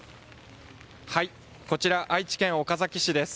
こちら、愛知県岡崎市です。